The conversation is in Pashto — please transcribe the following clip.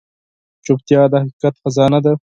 چوپتیا، د حقیقت خزانه ده.